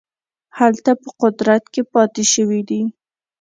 هلته په قدرت کې پاته شوي دي.